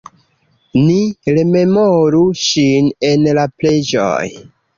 Ni rememoru ŝin en la preĝoj.